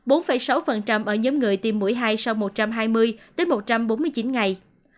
bốn sáu ở nhóm người tiêm mũi hai sau một trăm hai mươi đến một trăm bốn mươi chín ngày